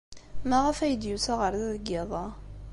Maɣef ay d-yusa ɣer da deg yiḍ-a?